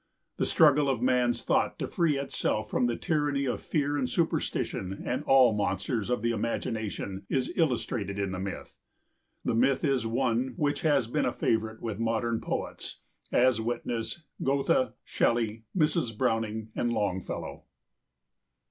The struggle of man's thought to free itself from the tyranny of fear and superstition and all monsters of the imagination is illustrated in the myth. The myth is one which has been a favorite with modern poets, as witness Goethe, Shelley, Mrs. Browning, and Longfellow.